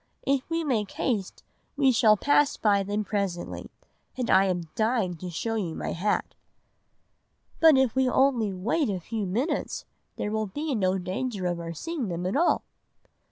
If we make haste we shall pass by them presently, and I am dying to show you my hat.' "'But if we only wait a few minutes there will be no danger of our seeing them at all.